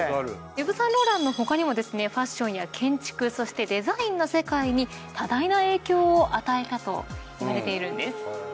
イヴ・サンローランの他にもファッションや建築そしてデザインの世界に多大な影響を与えたといわれているんです。